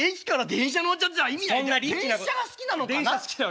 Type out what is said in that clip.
電車が好きなのかな？